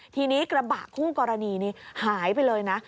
ทีนี้กระบะคู่กรณีนี้หายไปเลยนะ